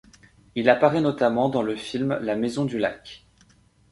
Il apparaît notamment dans le film La Maison du lac.